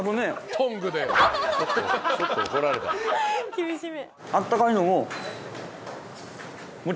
厳しめ。